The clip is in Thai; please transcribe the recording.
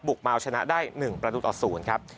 มาเอาชนะได้๑ประตูต่อ๐ครับ